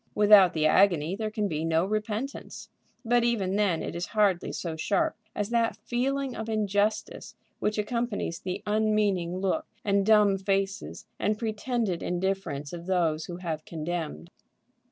Without the agony there can be no repentance. But even then it is hardly so sharp as that feeling of injustice which accompanies the unmeaning look, and dumb faces, and pretended indifference of those who have condemned.